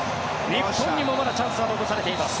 日本にもまだチャンスは残されています。